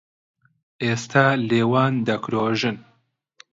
ئێستا لێوان دەکرۆژن